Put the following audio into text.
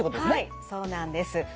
はいそうなんです。